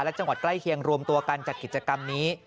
และจังหวัดใกล้เคียงรวมตัวกันจัดกิจกรรมนี้